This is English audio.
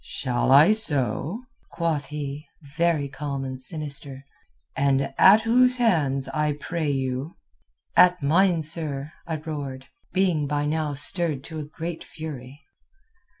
"'Shall I so?' quoth he, very calm and sinister. 'And at whose hands, I pray you?' "'At mine, sir,' I roared, being by now stirred to a great fury.